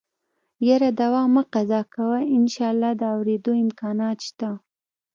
يره دوا مه قضا کوه انشاالله د اورېدو امکانات شته.